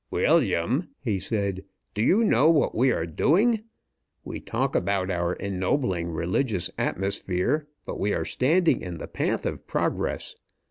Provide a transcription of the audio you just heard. "William," he said, "do you know what we are doing? We talk about our ennobling religious atmosphere, but we are standing in the path of progress.